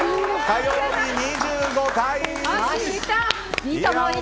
火曜日、２５回！